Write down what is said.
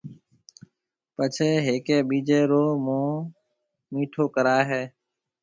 پڇيَ ھيَََڪيَ ٻيجيَ رو مونھ مِيٺو ڪرائيَ ھيََََ